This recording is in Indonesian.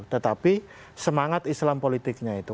tetapi semangat islam politiknya itu